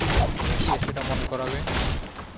তুমি কে সেটা মনে করাবে?